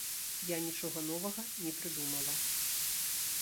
Я нічога новага не прыдумала.